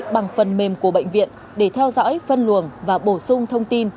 bằng phần mềm của bệnh viện để theo dõi phân luồng và bổ sung thông tin